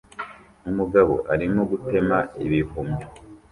Umugabo arimo gutema ibihumyo